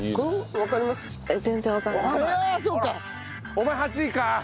お前８位かあ。